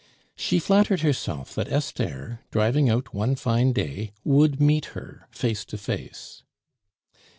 She flattered herself that Esther, driving out one fine day, would meet her face to face.